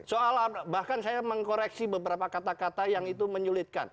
saya juga tidak pernah mengkoreksi beberapa kata kata yang itu menyulitkan